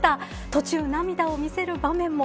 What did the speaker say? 途中、涙を見せる場面も。